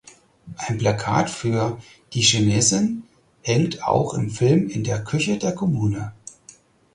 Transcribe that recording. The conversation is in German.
Ein Plakat für "Die Chinesin" hängt auch im Film in der Küche der Kommune.